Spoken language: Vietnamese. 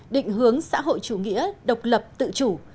định hướng xã hội chủ nghĩa độc lập tự chủ